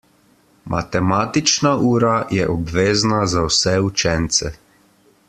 Matematična ura je obvezna za vse učence.